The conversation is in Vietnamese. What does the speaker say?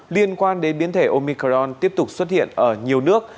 liên quan đến biến thể omicron tiếp tục xuất hiện ở nhiều nước